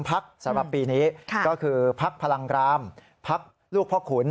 ๓ภักดิ์สำหรับปีนี้ก็คือภักดิ์พลังกรามภักดิ์ลูกพ่อขุน